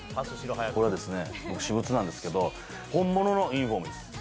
これはですね、私物なんですけど、本物のユニホームです。